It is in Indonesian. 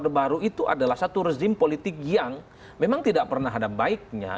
orde baru itu adalah satu rezim politik yang memang tidak pernah ada baiknya